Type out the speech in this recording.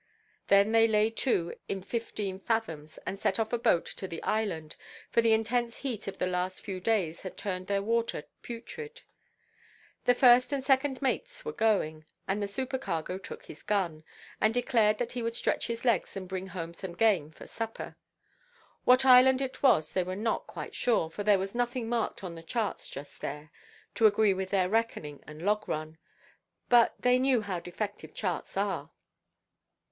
Then they lay to in fifteen fathoms, and sent off a boat to the island, for the intense heat of the last few days had turned their water putrid. The first and second mates were going, and the supercargo took his gun, and declared that he would stretch his legs and bring home some game for supper. What island it was they were not quite sure, for there was nothing marked on the charts just there, to agree with their reckoning and log–run. But they knew how defective charts are.